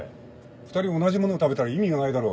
２人同じ物を食べたら意味がないだろう。